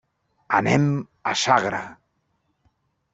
Anem a Sagra.